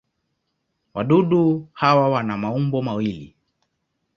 Wadudu hawa wana maumbo mawili.